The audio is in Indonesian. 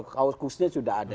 kursusnya sudah ada